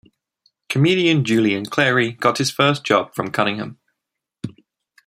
Comedian Julian Clary got his first job from Cunningham.